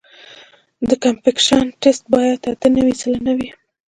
د کمپکشن ټسټ باید اته نوي سلنه وي